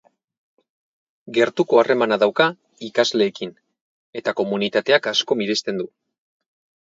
Gertuko harremana dauka ikasleekin eta komunitateak asko miresten du.